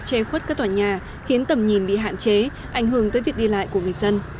che khuất các tòa nhà khiến tầm nhìn bị hạn chế ảnh hưởng tới việc đi lại của người dân